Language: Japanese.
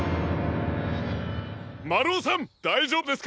まるおさんだいじょうぶですか？